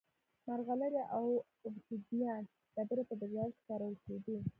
مرغلرې او اوبسیدیان ډبرې په تجارت کې کارول کېدې